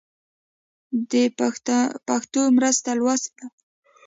د پښتو مرسته لوست ده.